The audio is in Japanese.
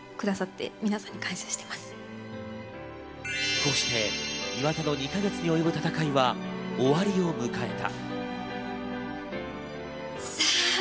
こうして岩田の２か月に及ぶ戦いは終わりを迎えた。